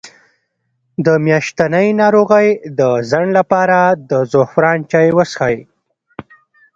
د میاشتنۍ ناروغۍ د ځنډ لپاره د زعفران چای وڅښئ